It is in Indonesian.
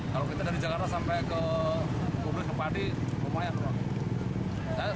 kalau kita dari jakarta sampai ke puli kepadi lumayan loh